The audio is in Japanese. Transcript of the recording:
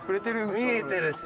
見えてるし。